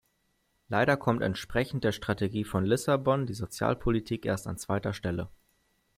Leider kommt entsprechend der Strategie von Lissabon die Sozialpolitik erst an zweiter Stelle.